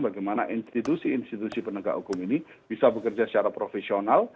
bagaimana institusi institusi penegak hukum ini bisa bekerja secara profesional